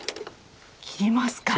切りますか。